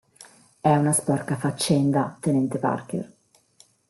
È una sporca faccenda, tenente Parker!